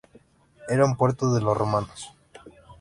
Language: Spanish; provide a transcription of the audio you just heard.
Era un puerto de los romanos.